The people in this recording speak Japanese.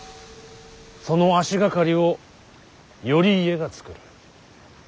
その足掛かりを頼家が作る。